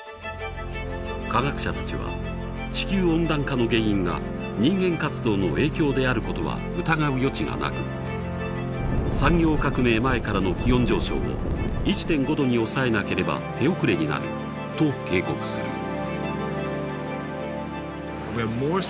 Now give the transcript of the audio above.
科学者たちは地球温暖化の原因が人間活動の影響であることは疑う余地がなく産業革命前からの気温上昇を１．５℃に抑えなければ手遅れになると警告する。